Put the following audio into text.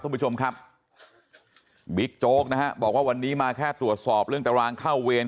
คุณผู้ชมครับบิ๊กโจ๊กนะฮะบอกว่าวันนี้มาแค่ตรวจสอบเรื่องตารางเข้าเวร